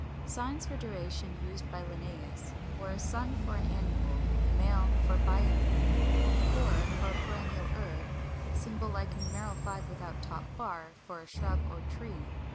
Signs for duration used by Linnæus were ☉ for an annual, ♂ for a biennial, ♃ for a perennial herb, [Symbol like numeral 5 without the top bar] for a shrub or tree.